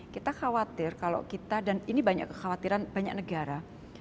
kita khawatir kalau kita dan ini banyak kekhawatiran banyak negara